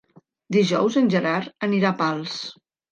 Dijous en Gerard anirà a Pals.